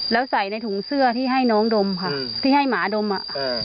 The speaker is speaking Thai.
แล้วใส่ในถุงเสื้อที่ให้น้องดมค่ะที่ให้หมาดมอ่ะ